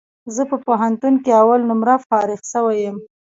زه په پوهنتون کي اول نمره فارغ سوی یم